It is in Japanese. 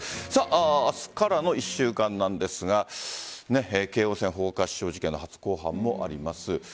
明日からの１週間なんですが京王線放火死傷事件の初公判もあります。